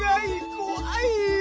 こわい！